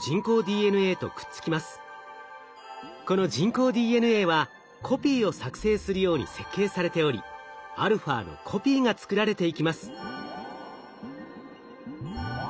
この人工ＤＮＡはコピーを作成するように設計されておりαのコピーが作られていきます。